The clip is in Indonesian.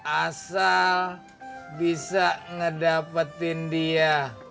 asal bisa ngedapetin dia